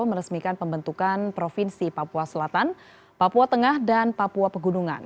meresmikan pembentukan provinsi papua selatan papua tengah dan papua pegunungan